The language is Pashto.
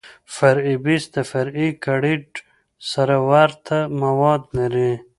فرعي بیس د فرعي ګریډ سره ورته مواد لري